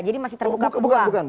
jadi masih tergantung apa